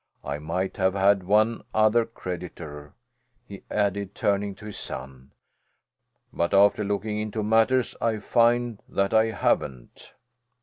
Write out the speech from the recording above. I might have had one other creditor," he added turning to this son, "but after looking into matters, I find that I haven't."